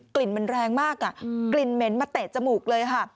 ลิ่นมันแรงมากกลิ่นเหม็นมาเตะจมูกเลยค่ะ